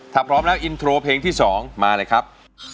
ถ้าพร้อมแล้วอินโทรเพลงที่๒มาเลยครับ